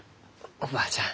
おばあちゃん。